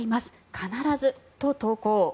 必ずと投稿。